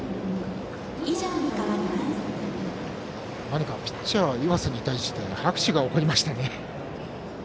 何か、ピッチャー岩瀬に対して拍手が起こりましたね。